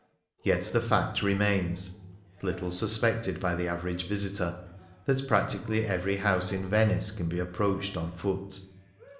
Yet the fact remains — little suspected by the average visitor — that practically every house in Venice can be ap proached on foot.